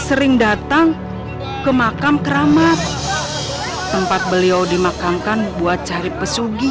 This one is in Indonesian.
sering datang ke makam keramat tempat beliau dimakamkan buat cari pesugi